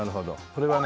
これはね